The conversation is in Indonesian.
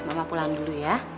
mama pulang dulu ya